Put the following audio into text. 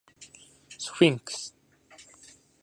スフィンクス